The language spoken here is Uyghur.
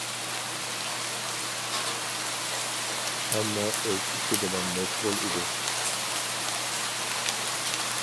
ھەممە ئۆز ئىشى بىلەن مەشغۇل ئىدى.